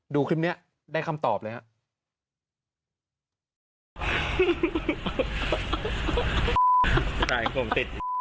ดูคลิปนี้ได้คำตอบเลยครับ